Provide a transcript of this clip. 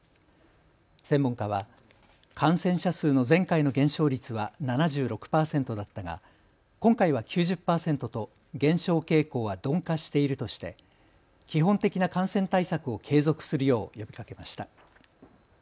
専門家は感染者数の前回の減少率は７６％だったが今回は９０％と減少傾向は鈍化しているとして基本的な感染対策を継続するよう呼びかけました。